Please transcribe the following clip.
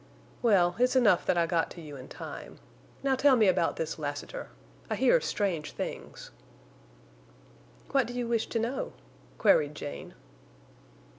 "Well, it's enough that I got to you in time.... Now tell me about this Lassiter. I hear strange things." "What do you wish to know?" queried Jane.